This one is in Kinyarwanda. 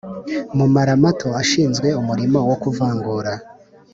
Mumara mato ashinzwe umurimo wo kuvangura